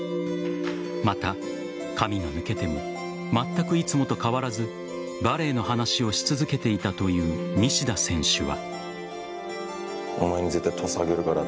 また、髪が抜けてもまったくいつもと変わらずバレーの話をし続けていたという西田選手は。